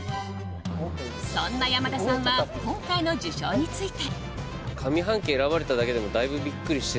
そんな山田さんは今回の受賞について。